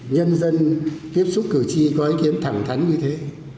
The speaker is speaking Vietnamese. nhân dân tiếp xúc cử tri có ý kiến thẳng thắn như thế